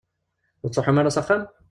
Ur tettruḥum ara s axxam?